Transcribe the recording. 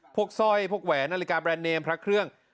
สร้อยพวกแหวนนาฬิกาแรนดเนมพระเครื่อง